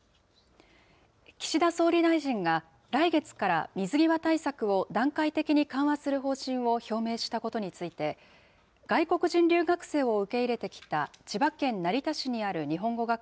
岸田総理大臣が、来月から水際対策を段階的に緩和する方針を表明したことについて、外国人留学生を受け入れてきた千葉県成田市にある日本語